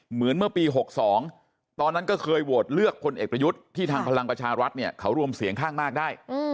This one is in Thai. เหมือนเมื่อปี๖๒ตอนนั้นก็เคยโหวตเลือกพลเอกประยุทธ์ที่ทางพลังประชารัฐเนี่ยเขารวมเสียงข้างมากได้